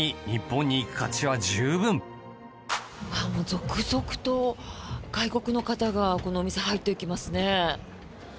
続々と外国の方がこのお店に入っていきますね。